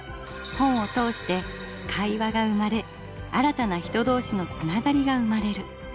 本を通して会話が生まれ新たな人同士のつながりが生まれる。